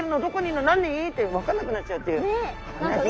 何？」って分かんなくなっちゃうっていう。